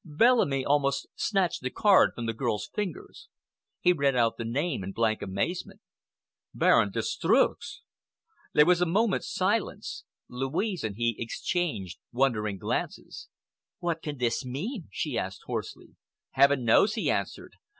Bellamy almost snatched the card from the girl's fingers. He read out the name in blank amazement. "Baron de Streuss!" There was a moment's silence. Louise and he exchanged wondering glances. "What can this mean?" she asked hoarsely. "Heaven knows!" he answered.